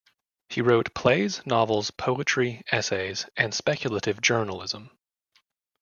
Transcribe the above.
He wrote plays, novels, poetry, essays and speculative journalism.